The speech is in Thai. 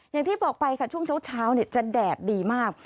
อย่างที่บอกไปค่ะช่วงเช้าจะแดดดีมาก